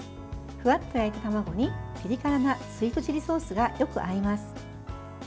ふわっと焼いた卵にピリ辛なスイートチリソースがよく合います。